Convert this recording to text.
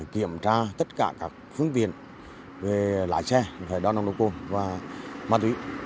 kiểm tra tất cả các phương viện về lái xe đoàn nồng độ cồn và ma túy